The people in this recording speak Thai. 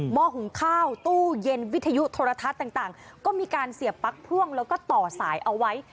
ห้อหุงข้าวตู้เย็นวิทยุโทรทัศน์ต่างก็มีการเสียบปั๊กพ่วงแล้วก็ต่อสายเอาไว้